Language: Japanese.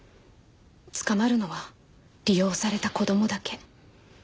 捕まるのは利用された子供だけ。